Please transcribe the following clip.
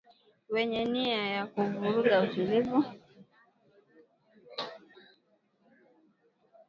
wenye nia ya kuvuruga utulivu